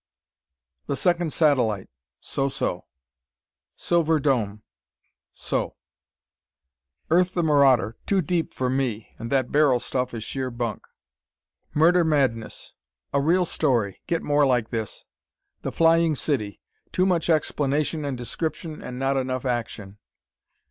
"The Second Satellite" so so. "Silver Dome" so. "Earth the Marauder" too deep for me. And that Beryl stuff is sheer bunk. "Murder Madness" a real story. Get more like this. "The Flying City" too much explanation and description and not enough action.